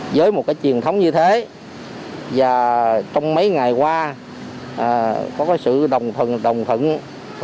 với một cái truyền thống như thế và trong mấy ngày qua có cái sự đồng thuận đồng thuận đồng thuận